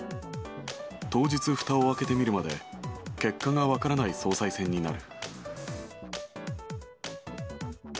当日ふたを開けてみるまで、結果が分からない総裁選になる。